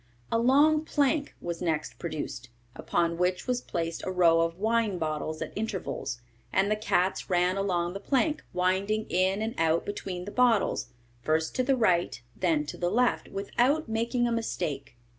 A long plank was next produced, upon which was placed a row of wine bottles at intervals; and the cats ran along the plank, winding in and out between the bottles, first to the right, then to the left, without making a mistake.